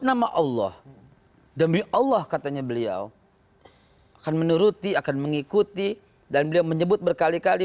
nama allah demi allah katanya beliau akan menuruti akan mengikuti dan beliau menyebut berkali kali